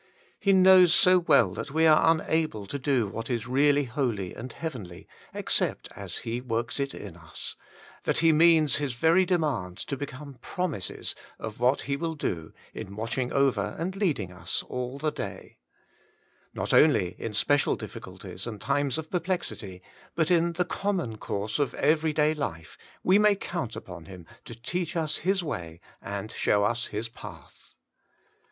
He knows so well that we are unable to do what is really holy and heavenly, except as He works it in us, that He means His very demands to become promises of what He will do, in watching over and leading us all the WAITING ON GODt 35 day. Not only in special difBculties and times of perplexity, but in the common course of everyday life, we may count upon Him to teach us His w&j, and show us His path.